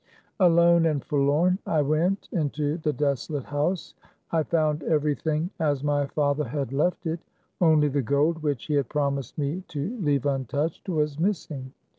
Alone and forlorn, I went into the desolate house. I found everything as my father had left it ; only the gold, which he had promised me to leave untouched, was missing.